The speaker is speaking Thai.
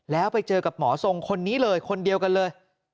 แล้วไปเจอกับหมอทรงคนนี้เลยคนเดียวกันเลย